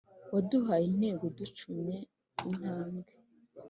Waduhaye intego ducumye intambwe